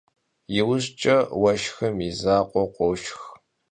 Yiujç'e vueşşxım yi zakhue khoşşx.